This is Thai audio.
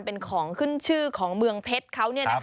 เป็นของขึ้นชื่อของเมืองเพชรเขา